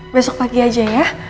besok pagi aja ya